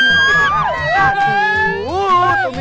anak kita udah gede ya